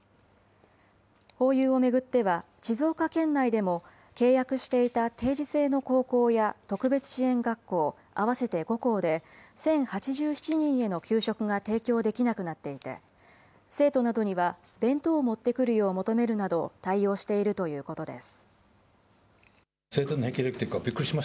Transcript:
ホーユーを巡っては、静岡県内でも契約していた定時制の高校や、特別支援学校、合わせて５校で、１０８７人への給食が提供できなくなっていて、生徒などには弁当を持ってくるよう求めるなど、対応しているということです。